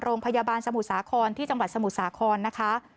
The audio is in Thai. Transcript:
โรงพยาบาลสมุทรสาครที่จังหวัดสมุทรสาครนะคะ